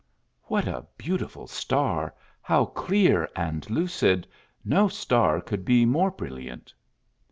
(What a beautiful star ! how clear and lucid ! no star could be more brilliant